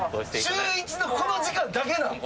週１のこの時間だけなん？